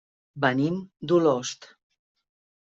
Venim d'Olost.